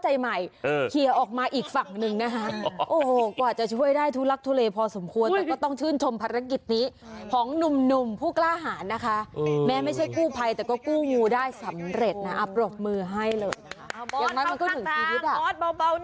เฮ้ยผู้กล้าของเราพี่มอด